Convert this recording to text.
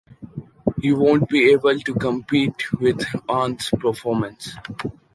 You won’t be able to compete with Jan’s performance.